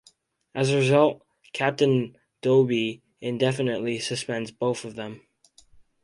As a result, Captain Doby indefinitely suspends both of them.